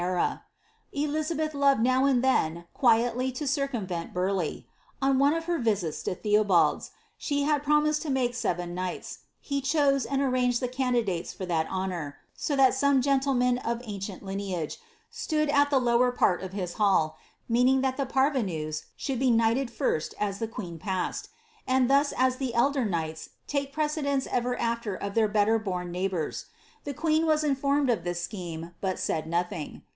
Queen Elizabeth loved now and then quietly to circumvcni Builuiicli , On one of her visits to TheobtJd*. she had promised lo make seven ktiiglils; he chose anil arrani>f(l thi caiidiilates for that honour, so that some gentlemen of ancient lineage flooil at the lower part of his hall, meaning thai the parvenus Ehoulcl be knighie<I first aa the queen passed — and ihua ar the elder knights take precedence ever after of their belter bom neigliboure. Thn queen «M informed of this scheme, but said nothing.